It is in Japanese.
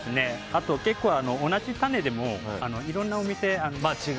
あと結構同じたねでもいろんなお店で。